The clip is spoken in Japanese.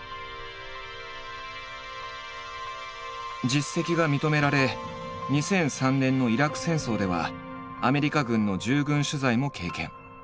実績が認められ２００３年のイラク戦争ではアメリカ軍の従軍取材も経験。